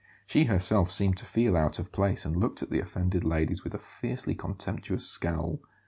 She herself seemed to feel out of place, and looked at the offended ladies with a fiercely contemptuous scowl.